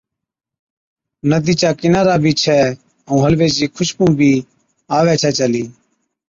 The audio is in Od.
’ندِي چا ڪِنارا بِي ڇَي ائُون حلوي چِي خُوشبُو بِي آوَي ڇَي چلِي،